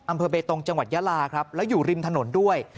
อำเภอเบตงจังหวัดยาลาอยู่ริมถนนด้วย